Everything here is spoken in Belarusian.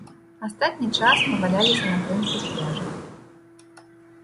Астатні час мы валяліся на крымскіх пляжах.